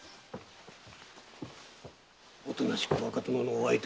おとなしく若殿のお相手をいたせ。